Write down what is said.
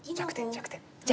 弱点。